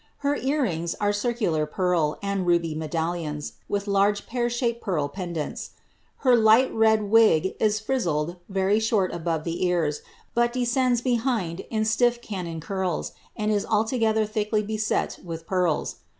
Her ear rings are circular pearl and ruby medallions, with large pear shaped pearl pen dants. Her light red wig is frizzled very short above the ears, but de scends behind in stiff cannon curls, and is altogether thickly beset with pearls.